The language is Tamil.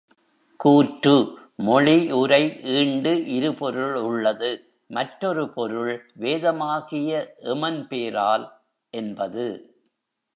கூற்று—மொழி, உரை, ஈண்டு இருபொருள் உள்ளது—மற்றொரு பொருள் வேதமாகிய எமன் பேரால் —என்பது.